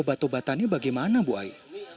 obat obatannya bagaimana bu ai